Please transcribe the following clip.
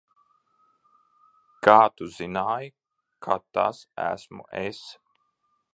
Kā tu zināji, ka tas esmu es?